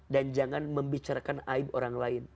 dan jangan membicarakan aib orang lain